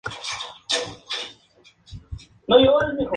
Supone una biografía convencional pero con atractivos.